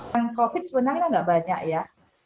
jadi sebenarnya enggak banyak ya